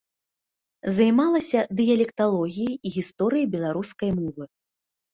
Займалася дыялекталогіяй і гісторыяй беларускай мовы.